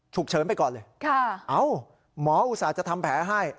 ฉุกเฉินไปก่อนอ้าวหมออุตสาหรับจะทำแผลให้